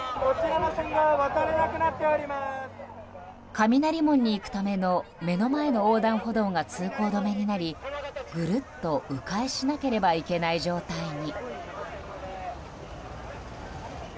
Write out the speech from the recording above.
雷門に行くための目の前の横断歩道が通行止めになりぐるっと迂回しなければいけない状態に。